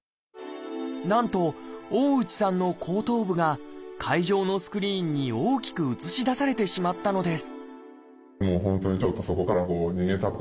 なんと大内さんの後頭部が会場のスクリーンに大きく映し出されてしまったのです